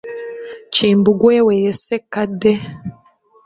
Kimbugwe we ye Ssekkadde.